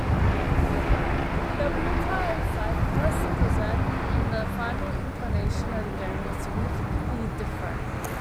The Wutai sidequest present in the final incarnation of the game was significantly different.